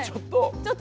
ちょっと。